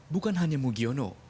bukan hanya mugiono